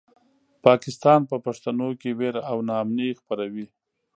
پاکستان په پښتنو کې وېره او ناامني خپروي.